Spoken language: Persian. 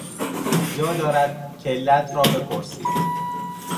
جا دارد که علت را بپرسید.